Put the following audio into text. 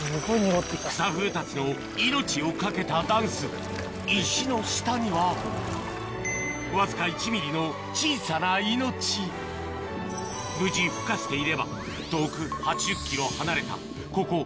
クサフグたちの命を懸けたダンス石の下にはわずか１ｍｍの小さな命無事ふ化していれば遠く８０ｋｍ離れたここＤＡＳＨ